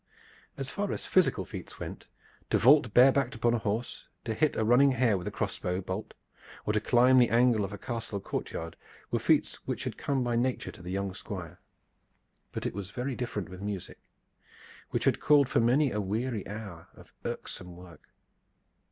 As far as physical feats went, to vault barebacked upon a horse, to hit a running hare with a crossbow bolt, or to climb the angle of a castle courtyard, were feats which had come by nature to the young Squire; but it was very different with music, which had called for many a weary hour of irksome work.